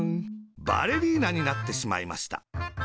バレリーナになってしまいました。